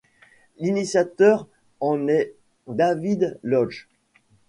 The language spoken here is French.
L'initiateur en est David Lodge.